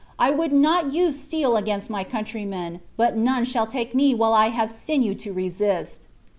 I would not use steel against my countrymen, but none shall take me while I have a sinew to resist."